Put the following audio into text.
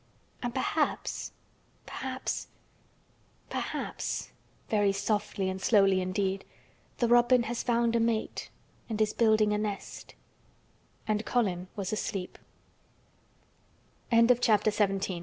And perhaps—perhaps—perhaps—" very softly and slowly indeed, "the robin has found a mate—and is building a nest." And Colin was asleep. CHAPTER XVIII.